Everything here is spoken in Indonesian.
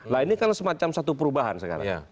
nah ini kan semacam satu perubahan sekarang